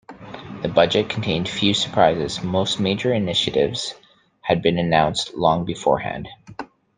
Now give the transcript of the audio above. The budget contained few surprises: most major initiatives had been announced long beforehand.